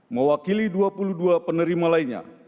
mewakili dua puluh dua penerima lainnya